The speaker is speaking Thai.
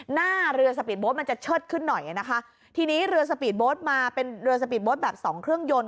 หน้าเรือสปีดโบ๊ทมันจะเชิดขึ้นหน่อยนะคะทีนี้เรือสปีดโบ๊ทมาเป็นเรือสปีดโบ๊ทแบบสองเครื่องยนต